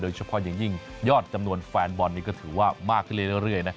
โดยเฉพาะยิ่งยอดจำนวนแฟนบอลนี้ก็ถือว่ามากเรื่อยนะ